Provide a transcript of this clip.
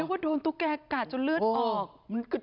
ว่าโดนตุ๊กแกะจนเลือดออก